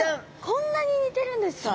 こんなに似てるんですか？